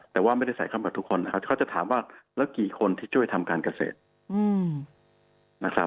แต่ว่าไม่ได้ใส่เข้ามาทุกคนนะครับเขาจะถามว่าแล้วกี่คนที่ช่วยทำการเกษตรนะครับ